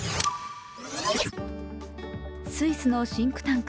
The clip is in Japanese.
スイスのシンクタンク